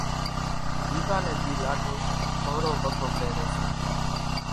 ويوا نيَ ۮِي لاڏو ڌورو وڳو پيريَ سي۔